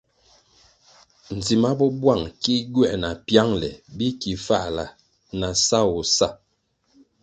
Dzima bo buang ki gywer na piangle bi ki fahla na sawoh sa.